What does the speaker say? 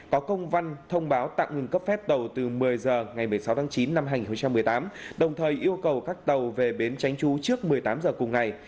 có công văn thông báo tạm ngừng cấp phép tàu từ một mươi h ngày một mươi sáu tháng chín năm hai nghìn một mươi tám đồng thời yêu cầu các tàu về bến tránh trú trước một mươi tám h cùng ngày